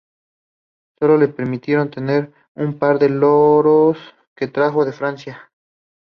Solo le permitieron tener un par de loros que trajo de Francia.